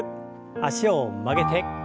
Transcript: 脚を曲げて。